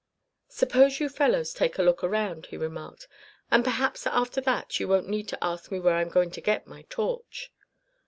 "Suppose you fellows take a look around," he remarked, "and perhaps after that you won't need to ask me where I'm going to get my torch."